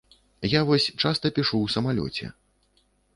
Я вось часта пішу ў самалёце.